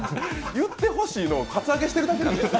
言ってほしいのをカツアゲしてるだけなんですよ。